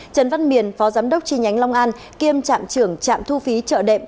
trần văn miền phó giám đốc chi nhánh long an kiêm trạm trưởng trạm thu phí trợ đệm